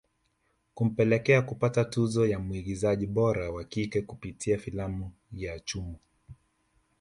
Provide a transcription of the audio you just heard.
Kupelekea kupata tuzo ya mwigizaji bora wa kike kupitia filamu ya Chumo